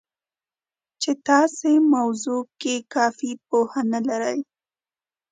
چې تاسې موضوع کې کافي پوهه نه لرئ